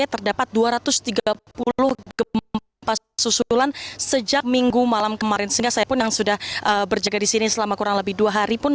terdapat dua ratus tiga puluh gempa susulan sejak minggu malam kemarin sehingga saya pun yang sudah berjaga di sini selama kurang lebih dua hari pun